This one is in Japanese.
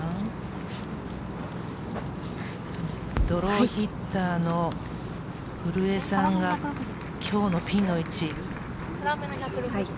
ドローヒッターの古江さんが今日のピンの位置。